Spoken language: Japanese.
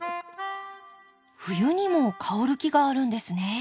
冬にも香る木があるんですね。